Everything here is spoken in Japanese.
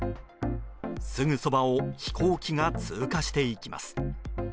すぐそばを飛行機が通過していきます。